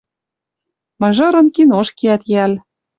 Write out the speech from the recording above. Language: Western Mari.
Мыжырын кинош кеӓт йӓл.